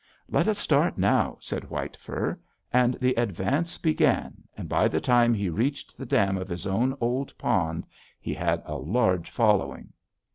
"'Let us start now,' said White Fur; and the advance began, and by the time he reached the dam of his own old pond, he had a large following.